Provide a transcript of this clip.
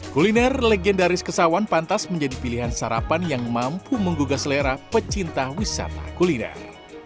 kuliner legendaris kesawan pantas menjadi pilihan sarapan yang mampu menggugah selera pecinta wisata kuliner